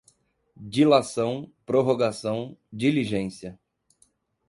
dilação, prorrogação, diligência